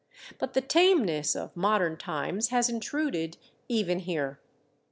But the tameness of modem times has intruded even here.